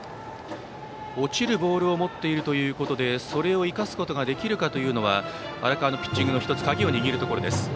落ちるボールを持っているということでそれを生かすことができるか荒川のピッチングの１つ鍵を握るところです。